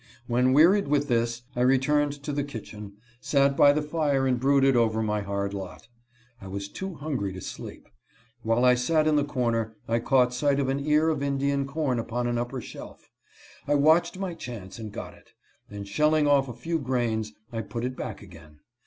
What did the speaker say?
When wearied with this, I returned to the kitchen, sat by the fire and brooded over my hard lot. I was too hungry to sleep. While I sat in the cor ner, I caught sight of an ear of Indian corn upon an upper shelf. I watched my chance and got it ; and shell ing off a few grains, I put it back again.